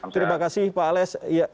terima kasih pak alex